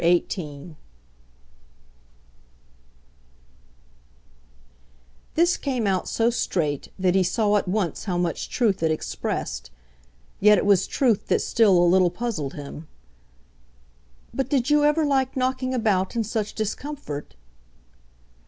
XVIII This came out so straight that he saw at once how much truth it expressed; yet it was truth that still a little puzzled him. "But did you ever like knocking about in such discomfort?"